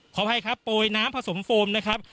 อภัยครับโปรยน้ำผสมโฟมนะครับ